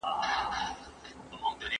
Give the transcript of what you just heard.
موږ باید واقعي پوښتنو ته ځواب ووایو.